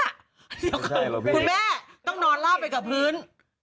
คุณแม่ต้องนอนรอบไปกับพื้น